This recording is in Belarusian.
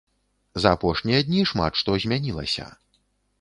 За апошнія дні шмат што змянілася.